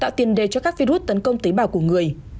tạo tiền đề cho các virus tấn công tế bào của người